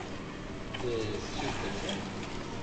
tu es sûr qu'elles aiment.